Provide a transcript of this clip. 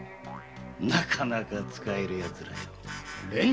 なかなか使える奴らよ。